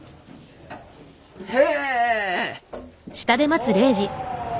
へえ。